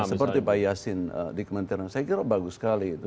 seperti pak yasin di kementerian saya kira bagus sekali itu